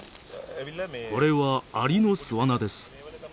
これはアリの巣穴です。